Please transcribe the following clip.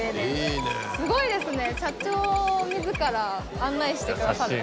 すごいですね社長自ら案内してくださるんですね。